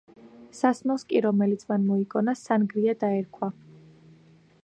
სასმელს კი, რომელიც მან მოიგონა „სანგრია“ დაერქვა.